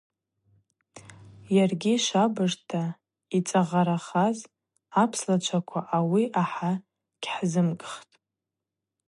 Йаргьи швабыжта йцӏагъарахаз апслачваква ауи ахӏата йгьхӏзымкӏхтӏ.